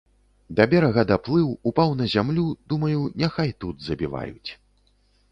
Да берага даплыў, упаў на зямлю, думаю, няхай тут забіваюць.